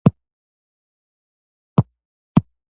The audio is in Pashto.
ملي اتڼ هم یو ډول ورزش دی.